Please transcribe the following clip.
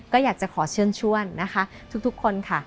ก็อยากจะขอเชิญชวนนะคะทุกคนค่ะ